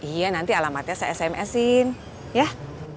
iya nanti alamatnya saya sms in yah